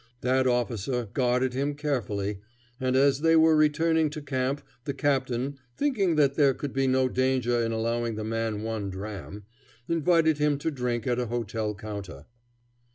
That officer guarded him carefully, and as they were returning to camp the captain, thinking that there could be no danger in allowing the man one dram, invited him to drink at a hotel counter.